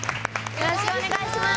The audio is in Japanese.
よろしくお願いします！